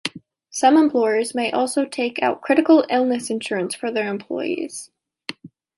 Some employers may also take out critical illness insurance for their employees.